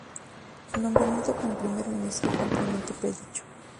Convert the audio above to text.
Su nombramiento como primer ministro fue ampliamente predicho.